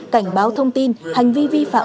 cảnh báo thông tin hành vi vi phạm